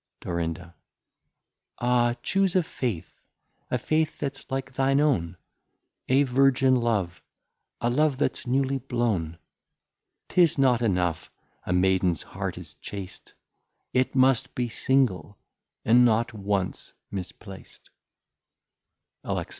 Dor. Ah choose a Faith, a Faith that's like thine own, A Virgin Love, a Love that's newly blown: 'Tis not enough a Maidens Heart is chast, It must be Single, and not once mis plac't. _Alex.